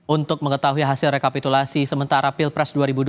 untuk mengetahui hasil rekapitulasi sementara pilpres dua ribu dua puluh